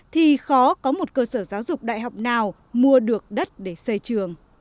thì khó có một cơ sở giáo dục đại học nào mua được đất để xây trường